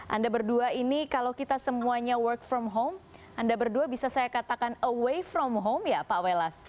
anda berdua ini kalau kita semuanya work from home anda berdua bisa saya katakan away from home ya pak welas